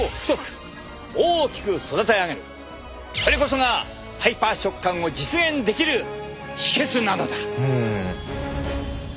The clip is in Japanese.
それこそがハイパー食感を実現できる秘けつなのだ。